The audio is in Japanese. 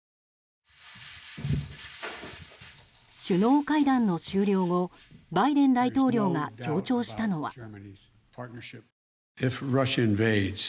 首脳会談の終了後バイデン大統領が強調したのは。